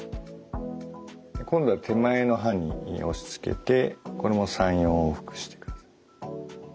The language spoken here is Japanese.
今度は手前の歯に押しつけてこれも３４往復してください。